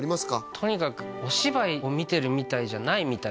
とにかくお芝居を見てるみたいじゃないみたい